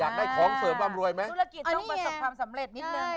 อยากได้ของเสริมว่ำรวยไหม